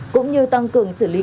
cũng như tăng cường xử lý các vi phạm